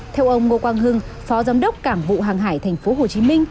theo ông ngô quang hưng phó giám đốc cảng vụ hàng hải tp hcm